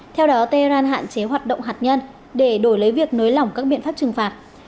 theo đó tehran hạn chế hoạt động hạt nhân để đổi lấy việc nối lỏng các biện pháp trừng phạt